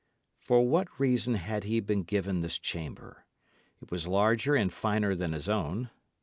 For what reason had he been given this chamber? It was larger and finer than his own.